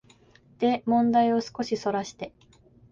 で問題を少しそらして、